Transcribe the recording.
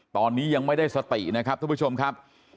ตอนนี้ยังไม่ได้สตินะครับทุกผู้ชมครับ